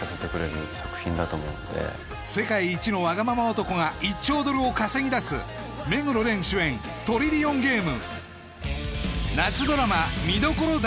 世界一のワガママ男が１兆ドルを稼ぎ出す目黒蓮主演「トリリオンゲーム」